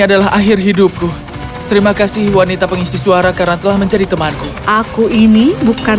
adalah akhir hidupku terima kasih wanita pengisi suara karena telah menjadi temanku aku ini bukan